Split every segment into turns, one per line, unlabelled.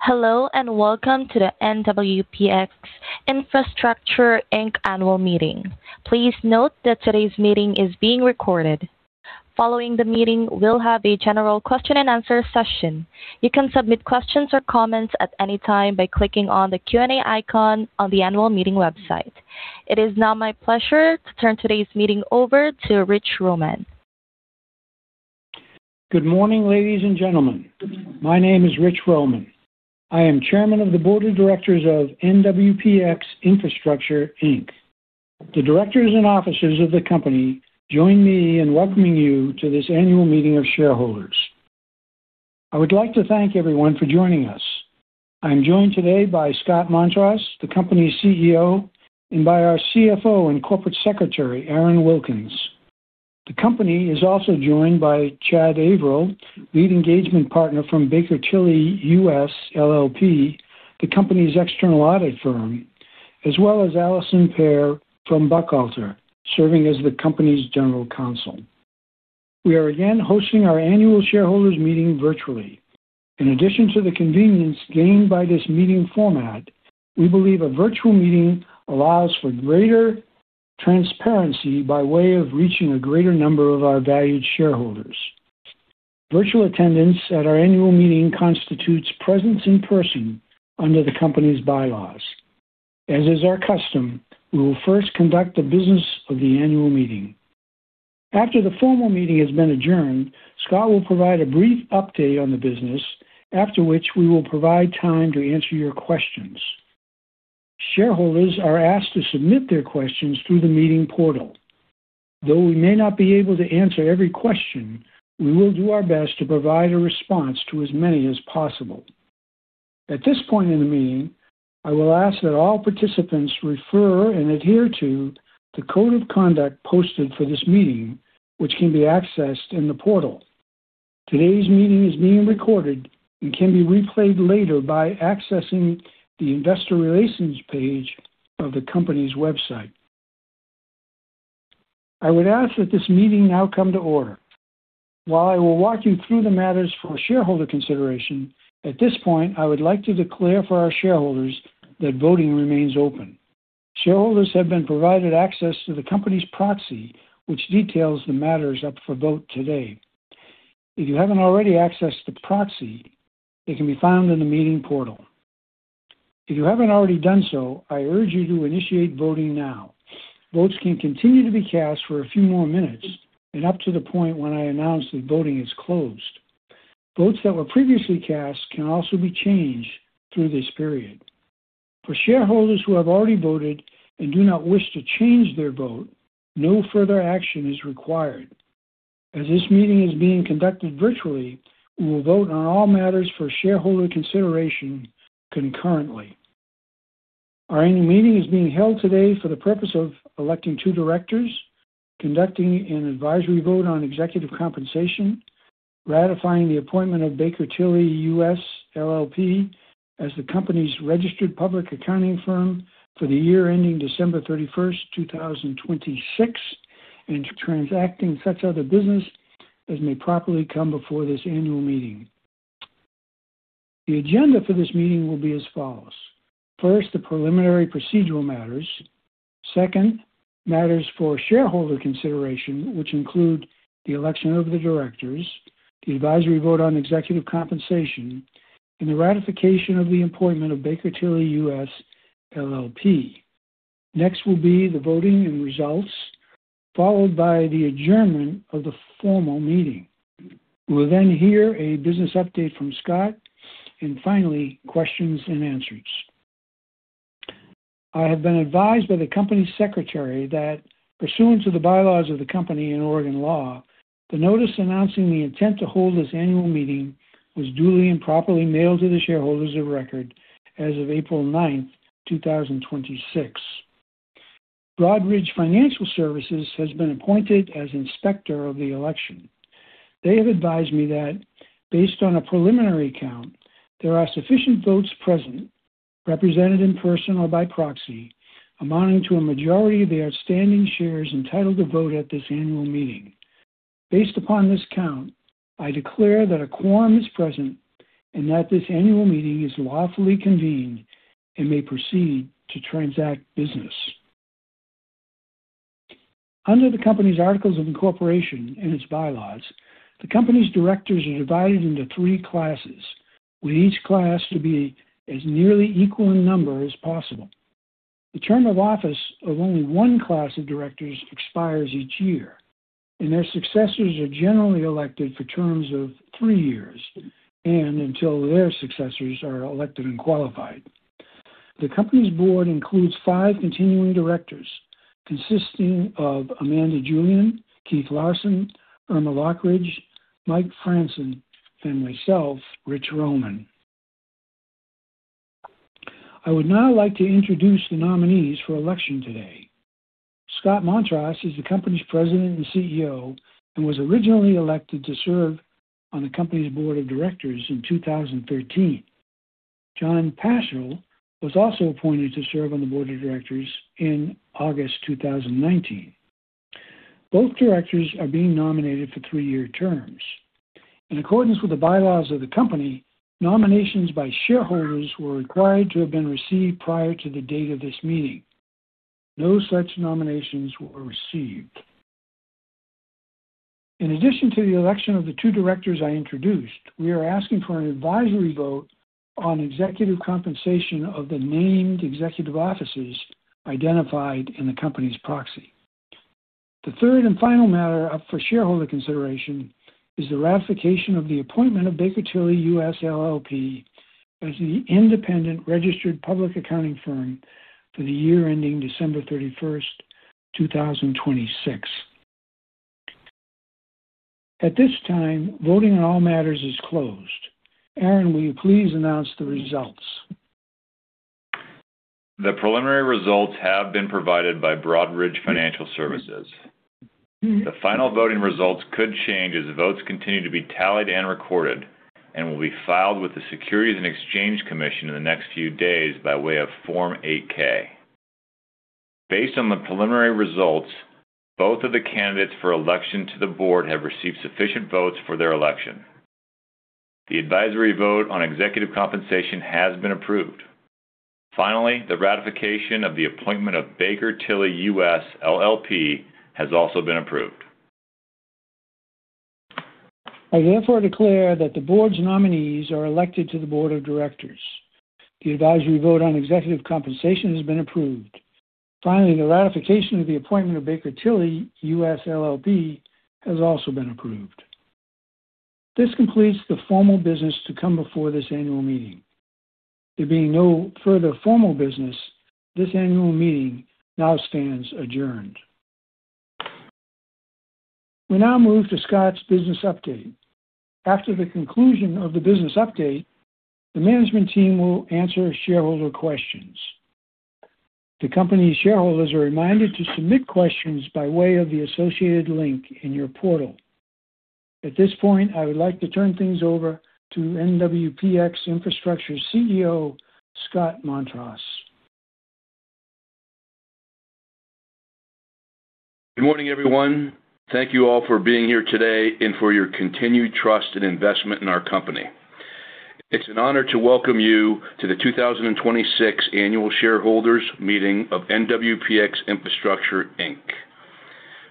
Hello, welcome to the NWPX Infrastructure, Inc. annual meeting. Please note that today's meeting is being recorded. Following the meeting, we'll have a general question and answer session. You can submit questions or comments at any time by clicking on the Q&A icon on the annual meeting website. It is now my pleasure to turn today's meeting over to Rich Roman.
Good morning, ladies and gentlemen. My name is Rich Roman. I am Chairman of the Board of Directors of NWPX Infrastructure, Inc. The directors and officers of the company join me in welcoming you to this annual meeting of shareholders. I would like to thank everyone for joining us. I am joined today by Scott Montross, the company's CEO, and by our CFO and corporate secretary, Aaron Wilkins. The company is also joined by Chad Averill, lead engagement partner from Baker Tilly US, LLP, the company's external audit firm, as well as Alison Pear from Buchalter, serving as the company's general counsel. We are again hosting our annual shareholders meeting virtually. In addition to the convenience gained by this meeting format, we believe a virtual meeting allows for greater transparency by way of reaching a greater number of our valued shareholders. Virtual attendance at our annual meeting constitutes presence in person under the company's bylaws. As is our custom, we will first conduct the business of the annual meeting. After the formal meeting has been adjourned, Scott will provide a brief update on the business, after which we will provide time to answer your questions. Shareholders are asked to submit their questions through the meeting portal. Though we may not be able to answer every question, we will do our best to provide a response to as many as possible. At this point in the meeting, I will ask that all participants refer and adhere to the code of conduct posted for this meeting, which can be accessed in the portal. Today's meeting is being recorded and can be replayed later by accessing the investor relations page of the company's website. I would ask that this meeting now come to order. While I will walk you through the matters for shareholder consideration, at this point, I would like to declare for our shareholders that voting remains open. Shareholders have been provided access to the company's proxy, which details the matters up for vote today. If you haven't already accessed the proxy, it can be found in the meeting portal. If you haven't already done so, I urge you to initiate voting now. Votes can continue to be cast for a few more minutes and up to the point when I announce that voting is closed. Votes that were previously cast can also be changed through this period. For shareholders who have already voted and do not wish to change their vote, no further action is required. As this meeting is being conducted virtually, we will vote on all matters for shareholder consideration concurrently. Our annual meeting is being held today for the purpose of electing two directors, conducting an advisory vote on executive compensation, ratifying the appointment of Baker Tilly US, LLP as the company's registered public accounting firm for the year ending December 31st, 2026, and to transacting such other business as may properly come before this annual meeting. The agenda for this meeting will be as follows. First, the preliminary procedural matters. Second, matters for shareholder consideration, which include the election of the directors, the advisory vote on executive compensation, and the ratification of the appointment of Baker Tilly US, LLP. Next will be the voting and results, followed by the adjournment of the formal meeting. We will hear a business update from Scott, and finally, questions and answers. I have been advised by the company secretary that pursuant to the bylaws of the company and Oregon law, the notice announcing the intent to hold this annual meeting was duly and properly mailed to the shareholders of record as of April 9th, 2026. Broadridge Financial Solutions has been appointed as inspector of the election. They have advised me that based on a preliminary count, there are sufficient votes present, represented in person or by proxy, amounting to a majority of the outstanding shares entitled to vote at this annual meeting. Based upon this count, I declare that a quorum is present and that this annual meeting is lawfully convened and may proceed to transact business. Under the company's articles of incorporation and its bylaws, the company's directors are divided into three classes, with each class to be as nearly equal in number as possible. The term of office of only one class of directors expires each year, and their successors are generally elected for terms of three years and until their successors are elected and qualified. The company's board includes five continuing directors, consisting of Amanda Julian, Keith Larson, Irma Lockridge, Mike Franson, and myself, Rich Roman. I would now like to introduce the nominees for election today. Scott Montross is the company's president and CEO and was originally elected to serve on the company's board of directors in 2013. John Paschal was also appointed to serve on the board of directors in August 2019. Both directors are being nominated for three-year terms. In accordance with the bylaws of the company, nominations by shareholders were required to have been received prior to the date of this meeting. No such nominations were received. In addition to the election of the two directors I introduced, we are asking for an advisory vote on executive compensation of the named executive officers identified in the company's proxy. The third and final matter up for shareholder consideration is the ratification of the appointment of Baker Tilly US, LLP as the independent registered public accounting firm for the year ending December 31st, 2026. At this time, voting on all matters is closed. Aaron, will you please announce the results?
The preliminary results have been provided by Broadridge Financial Solutions. The final voting results could change as the votes continue to be tallied and recorded and will be filed with the Securities and Exchange Commission in the next few days by way of Form 8-K. Based on the preliminary results, both of the candidates for election to the board have received sufficient votes for their election. The advisory vote on executive compensation has been approved. Finally, the ratification of the appointment of Baker Tilly US, LLP has also been approved.
I therefore declare that the board's nominees are elected to the board of directors. The advisory vote on executive compensation has been approved. Finally, the ratification of the appointment of Baker Tilly US, LLP has also been approved. This completes the formal business to come before this annual meeting. There being no further formal business, this annual meeting now stands adjourned. We now move to Scott's business update. After the conclusion of the business update, the management team will answer shareholder questions. The company shareholders are reminded to submit questions by way of the associated link in your portal. At this point, I would like to turn things over to NWPX Infrastructure CEO, Scott Montross.
Good morning, everyone. Thank you all for being here today and for your continued trust and investment in our company. It's an honor to welcome you to the 2026 Annual Shareholders Meeting of NWPX Infrastructure, Inc.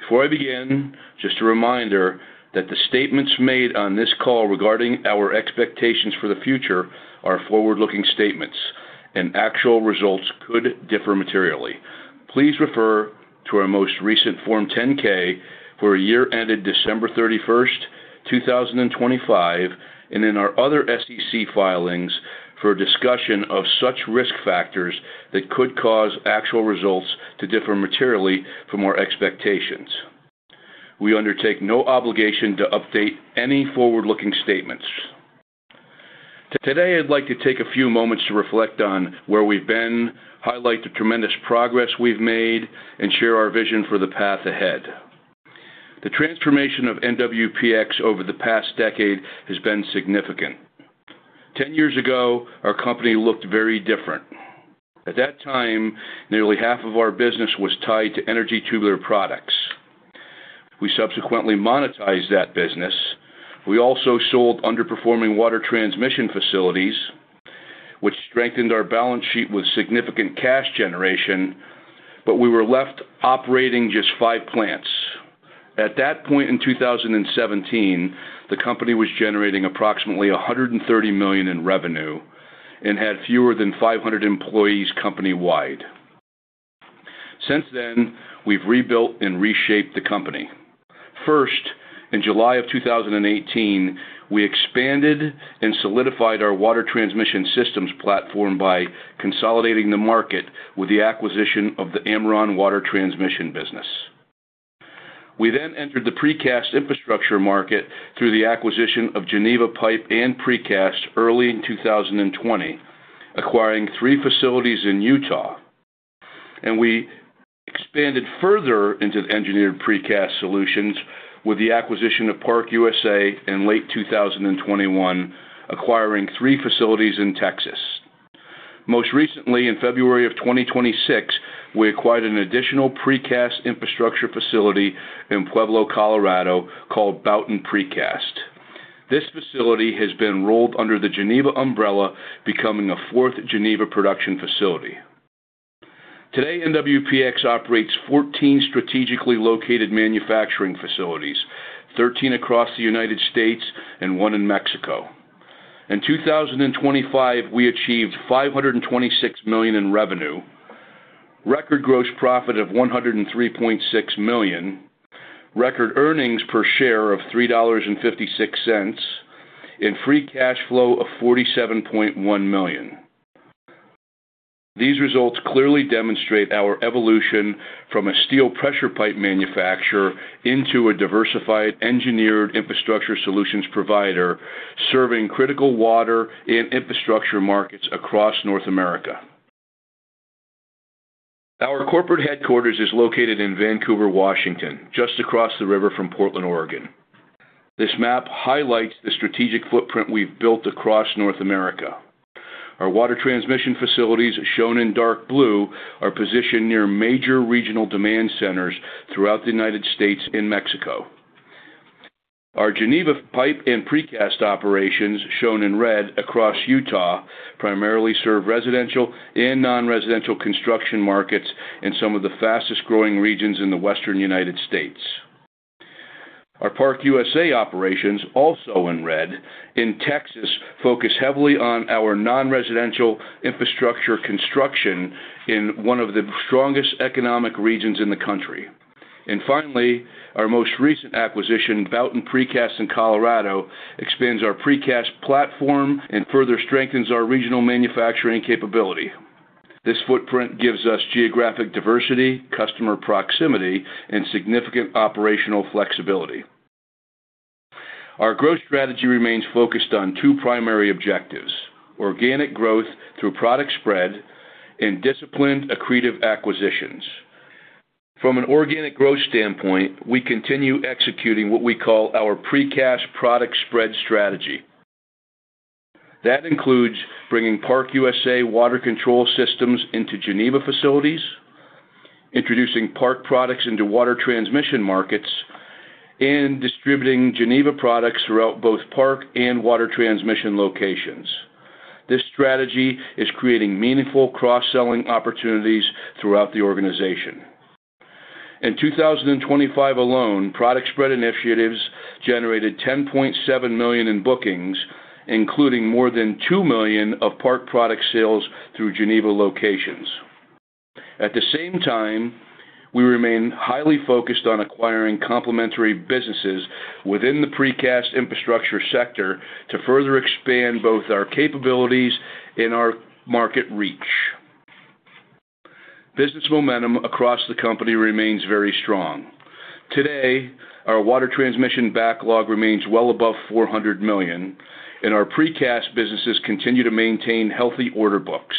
Before I begin, just a reminder that the statements made on this call regarding our expectations for the future are forward-looking statements and actual results could differ materially. Please refer to our most recent Form 10-K for a year ended December 31st, 2025, and in our other SEC filings for a discussion of such risk factors that could cause actual results to differ materially from our expectations. We undertake no obligation to update any forward-looking statements. Today, I'd like to take a few moments to reflect on where we've been, highlight the tremendous progress we've made, and share our vision for the path ahead. The transformation of NWPX over the past decade has been significant. 10 years ago, our company looked very different. At that time, nearly half of our business was tied to energy tubular products. We subsequently monetized that business. We also sold underperforming water transmission facilities, which strengthened our balance sheet with significant cash generation, but we were left operating just five plants. At that point in 2017, the company was generating approximately $130 million in revenue and had fewer than 500 employees company-wide. Since then, we've rebuilt and reshaped the company. First, in July of 2018, we expanded and solidified our water transmission systems platform by consolidating the market with the acquisition of the Ameron water transmission business. We then entered the precast infrastructure market through the acquisition of Geneva Pipe and Precast early in 2020, acquiring three facilities in Utah. We expanded further into the engineered precast solutions with the acquisition of ParkUSA in late 2021, acquiring three facilities in Texas. Most recently, in February 2026, we acquired an additional precast infrastructure facility in Pueblo, Colorado, called Boughton's Precast. This facility has been rolled under the Geneva umbrella, becoming a fourth Geneva production facility. Today, NWPX operates 14 strategically located manufacturing facilities, 13 across the U.S. and one in Mexico. In 2025, we achieved $526 million in revenue, record gross profit of $103.6 million, record earnings per share of $3.56, and free cash flow of $47.1 million. These results clearly demonstrate our evolution from a steel pressure pipe manufacturer into a diversified engineered infrastructure solutions provider, serving critical water and infrastructure markets across North America. Our corporate headquarters is located in Vancouver, Washington, just across the river from Portland, Oregon. This map highlights the strategic footprint we've built across North America. Our water transmission facilities, shown in dark blue, are positioned near major regional demand centers throughout the U.S. and Mexico. Our Geneva Pipe and Precast operations, shown in red across Utah, primarily serve residential and non-residential construction markets in some of the fastest-growing regions in the Western U.S. Our ParkUSA operations, also in red in Texas, focus heavily on our non-residential infrastructure construction in one of the strongest economic regions in the country. Finally, our most recent acquisition, Boughton's Precast in Colorado, expands our precast platform and further strengthens our regional manufacturing capability. This footprint gives us geographic diversity, customer proximity, and significant operational flexibility. Our growth strategy remains focused on two primary objectives: organic growth through product spread and disciplined accretive acquisitions. From an organic growth standpoint, we continue executing what we call our precast product spread strategy. That includes bringing ParkUSA water control systems into Geneva facilities, introducing Park products into water transmission markets, and distributing Geneva products throughout both Park and water transmission locations. This strategy is creating meaningful cross-selling opportunities throughout the organization. In 2025 alone, product spread initiatives generated $10.7 million in bookings, including more than $2 million of Park product sales through Geneva locations. At the same time, we remain highly focused on acquiring complementary businesses within the precast infrastructure sector to further expand both our capabilities and our market reach. Business momentum across the company remains very strong. Today, our water transmission backlog remains well above $400 million, and our precast businesses continue to maintain healthy order books.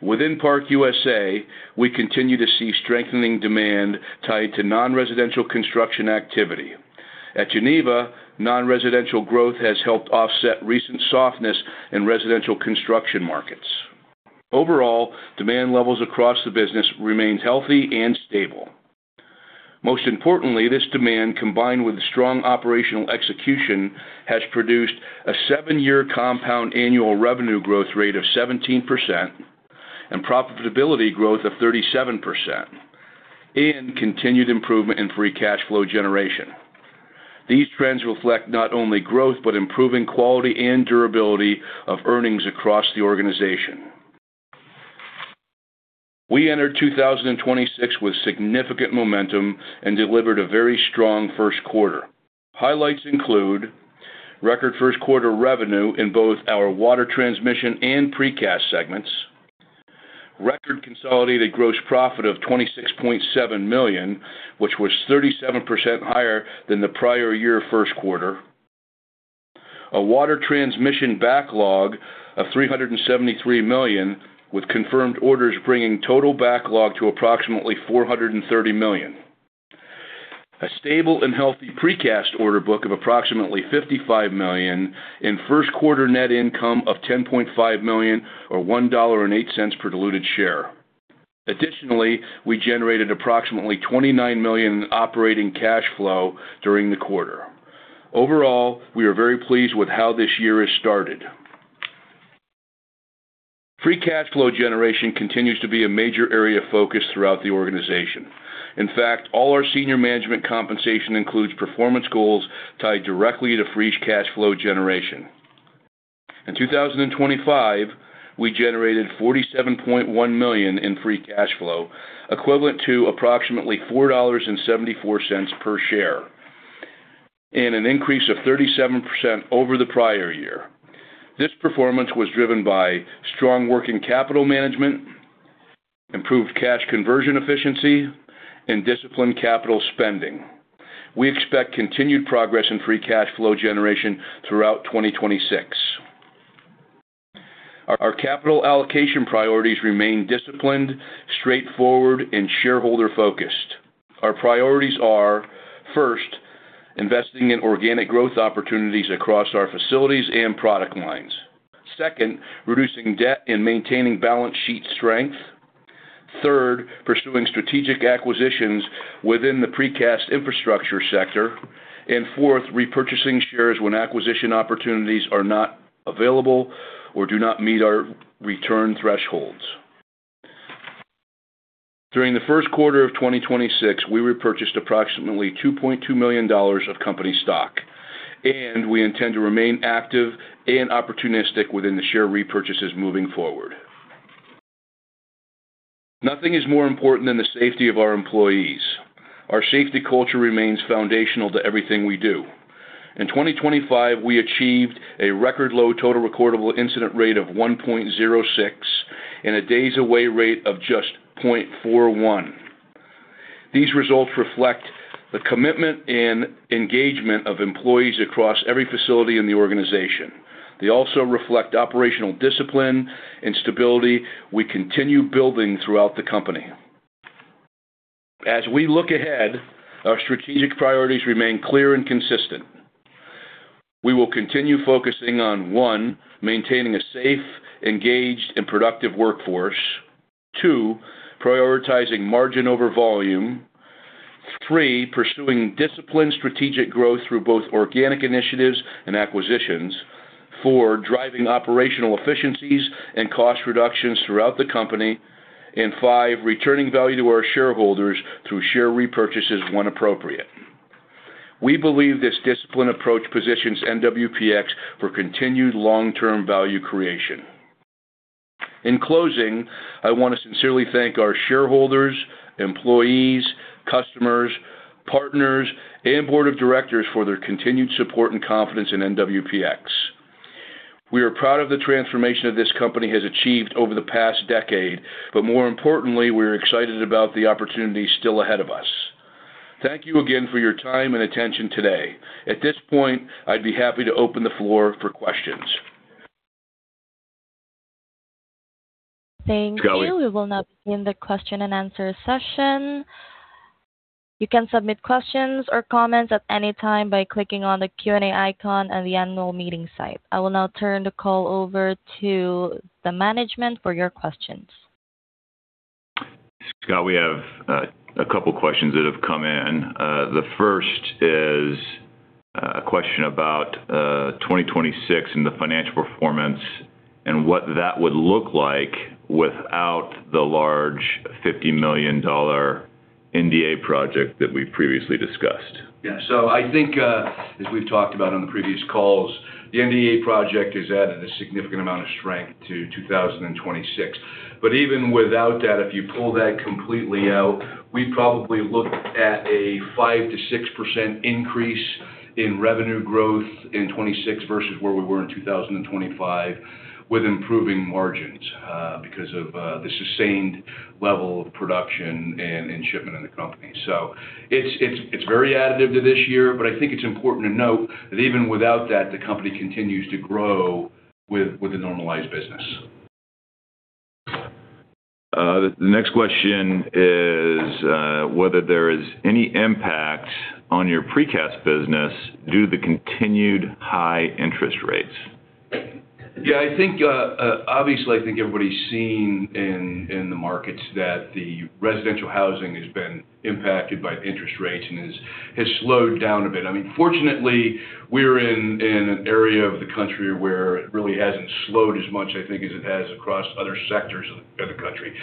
Within ParkUSA, we continue to see strengthening demand tied to non-residential construction activity. At Geneva, non-residential growth has helped offset recent softness in residential construction markets. Overall, demand levels across the business remains healthy and stable. Most importantly, this demand, combined with strong operational execution, has produced a seven-year compound annual revenue growth rate of 17% and profitability growth of 37%, and continued improvement in free cash flow generation. These trends reflect not only growth but improving quality and durability of earnings across the organization. We entered 2026 with significant momentum and delivered a very strong first quarter. Highlights include record first quarter revenue in both our water transmission and precast segments, record consolidated gross profit of $26.7 million, which was 37% higher than the prior year first quarter, a water transmission backlog of $373 million, with confirmed orders bringing total backlog to approximately $430 million, a stable and healthy precast order book of approximately $55 million in first quarter net income of $10.5 million, or $1.08 per diluted share. Additionally, we generated approximately $29 million in operating cash flow during the quarter. Overall, we are very pleased with how this year has started. Free cash flow generation continues to be a major area of focus throughout the organization. In fact, all our senior management compensation includes performance goals tied directly to free cash flow generation. In 2025, we generated $47.1 million in free cash flow, equivalent to approximately $4.74 per share and an increase of 37% over the prior year. This performance was driven by strong working capital management, improved cash conversion efficiency, and disciplined capital spending. We expect continued progress in free cash flow generation throughout 2026. Our capital allocation priorities remain disciplined, straightforward, and shareholder-focused. Our priorities are, first, investing in organic growth opportunities across our facilities and product lines. Second, reducing debt and maintaining balance sheet strength. Third, pursuing strategic acquisitions within the precast infrastructure sector. Fourth, repurchasing shares when acquisition opportunities are not available or do not meet our return thresholds. During the first quarter of 2026, we repurchased approximately $2.2 million of company stock, and we intend to remain active and opportunistic within the share repurchases moving forward. Nothing is more important than the safety of our employees. Our safety culture remains foundational to everything we do. In 2025, we achieved a record-low total recordable incident rate of 1.06 and a days away rate of just 0.41. These results reflect the commitment and engagement of employees across every facility in the organization. They also reflect operational discipline and stability we continue building throughout the company. As we look ahead, our strategic priorities remain clear and consistent. We will continue focusing on, one, maintaining a safe, engaged, and productive workforce. Two, prioritizing margin over volume. Three, pursuing disciplined strategic growth through both organic initiatives and acquisitions. Four, driving operational efficiencies and cost reductions throughout the company. Five, returning value to our shareholders through share repurchases when appropriate. We believe this disciplined approach positions NWPX for continued long-term value creation. In closing, I want to sincerely thank our shareholders, employees, customers, partners, and board of directors for their continued support and confidence in NWPX Infrastructure. We are proud of the transformation that this company has achieved over the past decade, but more importantly, we're excited about the opportunities still ahead of us. Thank you again for your time and attention today. At this point, I'd be happy to open the floor for questions.
Thank you. We will now begin the question and answer session. You can submit questions or comments at any time by clicking on the Q&A icon on the annual meeting site. I will now turn the call over to the management for your questions.
Scott, we have two questions that have come in. The first is a question about 2026 and the financial performance, and what that would look like without the large $50 million NDA project that we previously discussed.
Yeah. I think, as we've talked about on the previous calls, the NDA project has added a significant amount of strength to 2026. Even without that, if you pull that completely out, we probably look at a 5%-6% increase in revenue growth in 2026 versus where we were in 2025, with improving margins, because of the sustained level of production and shipment in the company. It's very additive to this year, but I think it's important to note that even without that, the company continues to grow with the normalized business.
The next question is whether there is any impact on your precast business due to the continued high interest rates.
Yeah. Obviously, I think everybody's seen in the markets that the residential housing has been impacted by interest rates and has slowed down a bit. Fortunately, we're in an area of the country where it really hasn't slowed as much, I think, as it has across other sectors of the country.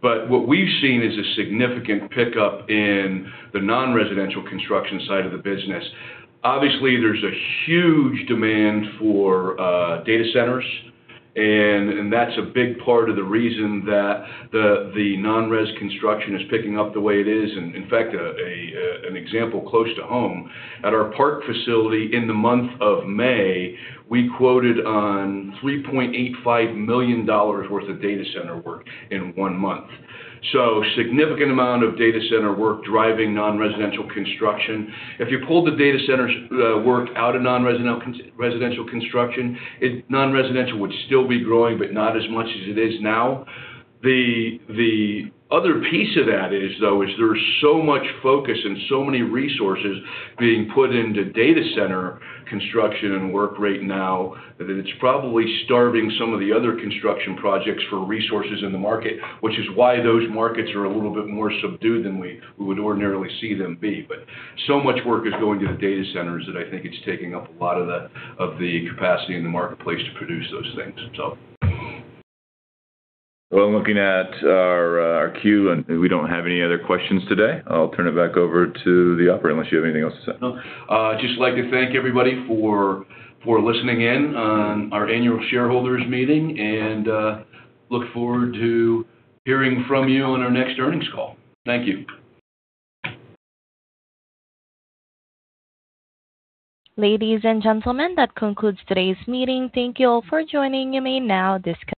What we've seen is a significant pickup in the non-residential construction side of the business. Obviously, there's a huge demand for data centers, and that's a big part of the reason that the non-res construction is picking up the way it is. In fact, an example close to home, at our Park facility in the month of May, we quoted on $3.85 million worth of data center work in one month. A significant amount of data center work driving non-residential construction. If you pulled the data centers work out of non-residential construction, non-residential would still be growing, but not as much as it is now. The other piece of that is, though, is there is so much focus and so many resources being put into data center construction and work right now, that it's probably starving some of the other construction projects for resources in the market, which is why those markets are a little bit more subdued than we would ordinarily see them be. So much work is going to the data centers that I think it's taking up a lot of the capacity in the marketplace to produce those things.
Well, I'm looking at our queue. We don't have any other questions today. I'll turn it back over to the operator, unless you have anything else to say.
I'd just like to thank everybody for listening in on our annual shareholders meeting, and look forward to hearing from you on our next earnings call. Thank you.
Ladies and gentlemen, that concludes today's meeting. Thank you all for joining. You may now disconnect.